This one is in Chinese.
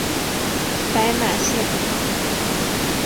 白马线